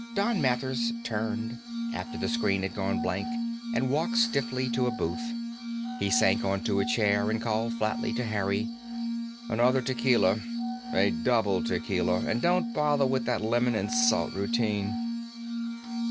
Don Mathers turned, after the screen had gone blank, and walked stiffly to a booth. He sank onto a chair and called flatly to Harry, "Another tequila. A double tequila. And don't bother with that lemon and salt routine."